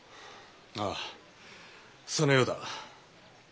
ああそのようだな。